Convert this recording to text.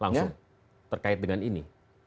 langsung terkait dengan ini